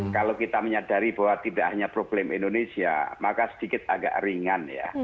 kalau kita menyadari bahwa tidak hanya problem indonesia maka sedikit agak ringan ya